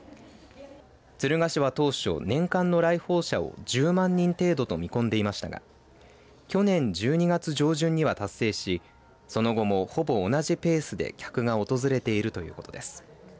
敦賀市は当初、年間の来訪者を１０万人程度と見込んでいましたが去年１２月上旬には達成しその後も、ほぼ同じペースで客が訪れているということです。